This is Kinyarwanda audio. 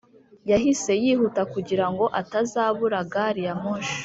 yahise yihuta kugira ngo atazabura gari ya moshi.